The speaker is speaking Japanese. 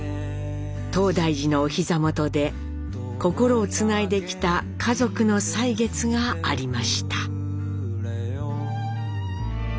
東大寺のお膝元で心をつないできた家族の歳月がありました。